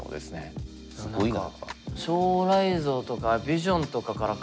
すごいな。